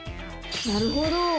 なるほど！